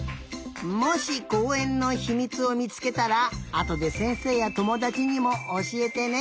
もしこうえんのひみつをみつけたらあとでせんせいやともだちにもおしえてね。